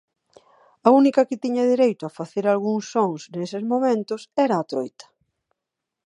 A única que tiña dereito a facer algúns sons neses momentos era a troita.